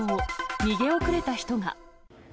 逃げ遅れた人が。